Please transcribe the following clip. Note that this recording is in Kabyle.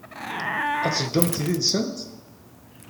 Ad teddumt yid-sent?